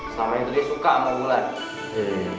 selama itu dia suka sama gue lah